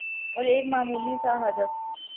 اور ایک معمولی سا ہدف